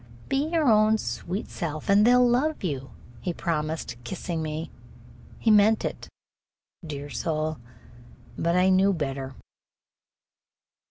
"Be your own sweet self and they 'll love you," he promised, kissing me. He meant it, dear soul; but I knew better.